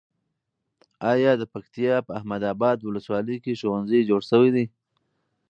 ایا د پکتیا په احمد اباد ولسوالۍ کې ښوونځي جوړ شوي دي؟